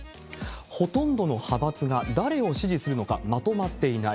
ほとんどの派閥が、誰を支持するのかまとまっていない。